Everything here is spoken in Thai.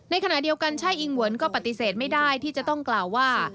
ในขณะเดียวกันช่ายอิงหวนก็ปฏิเสธไม่ได้ที่จะต้องกล่าวว่า